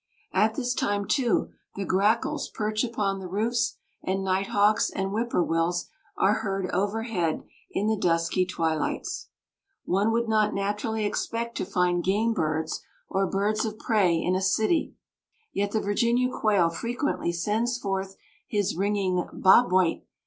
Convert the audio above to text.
At this time too, the grackles perch upon the roofs, and nighthawks and whippoor wills are heard overhead in the dusky twilights. One would not naturally expect to find game birds or birds of prey in a city, yet the Virginia quail frequently sends forth his ringing "bob white!"